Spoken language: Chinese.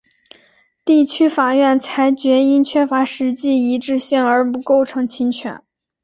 地区法院裁决因缺乏实际一致性而不构成侵权。